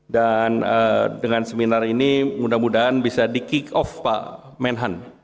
dan dengan seminar ini mudah mudahan bisa di kick off pak menhan